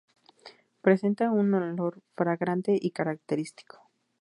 Presenta un olor fragante y característico.